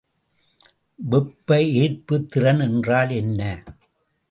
வெப்பஏற்புத்திறன் என்றால் என்ன?